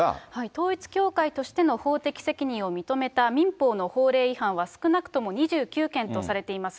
統一教会としての法的責任を認めた民法の法令違反は少なくとも２９件とされています。